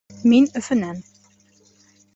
Мин Өфөнән